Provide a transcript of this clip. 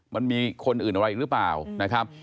มันมีคนอื่นอะไรอีกหรือเปล่านะครับ